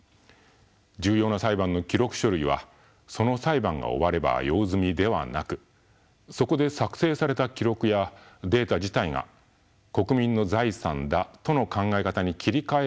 重要な裁判の記録書類はその裁判が終われば用済みではなくそこで作成された記録やデータ自体が国民の財産だとの考え方に切り替えると宣言したのです。